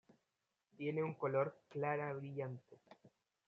Tiene un color clara brillante.